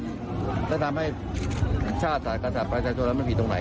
จะทำให้ชาติศาสตร์ศาสตร์ประชาชนแล้วไม่ผิดตรงไหน